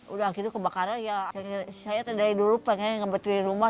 udah gitu kebakaran ya akhirnya saya dari dulu pengen ngebetulin rumah